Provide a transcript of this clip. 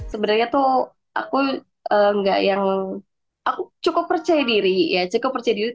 sebenarnya tuh aku nggak yang aku cukup percaya diri ya cukup percaya diri